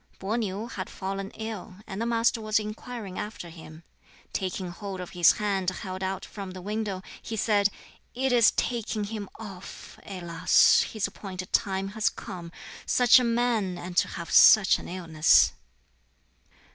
Peh niu had fallen ill, and the Master was inquiring after him. Taking hold of his hand held out from the window, he said, "It is taking him off! Alas, his appointed time has come! Such a man, and to have such an illness!"